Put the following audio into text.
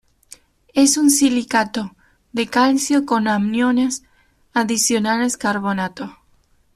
Es un silicato de calcio con aniones adicionales carbonato.